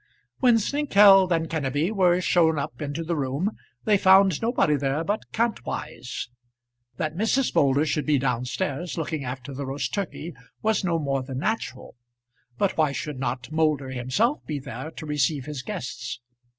When Snengkeld and Kenneby were shown up into the room, they found nobody there but Kantwise. That Mrs. Moulder should be down stairs looking after the roast turkey was no more than natural; but why should not Moulder himself be there to receive his guests?